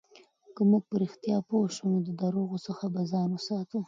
که موږ په رښتیا پوه شو، نو د درواغو څخه به ځان ساتو.